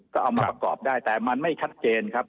ก็เอามาประกอบได้แต่มันไม่ชัดเจนครับ